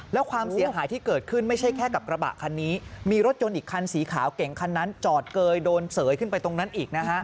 แล้วความเสียหายที่เกิดขึ้นไม่ใช่แค่กับกระบะคันนี้